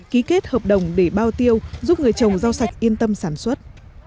ký kết hợp đồng để bao tiêu giúp người trồng rau sạch yên tâm sản xuất